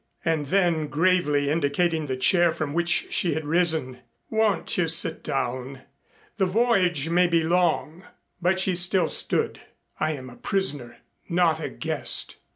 And then gravely indicating the chair from which she had risen. "Won't you sit down? The voyage may be long." But she still stood. "I am a prisoner, not a guest."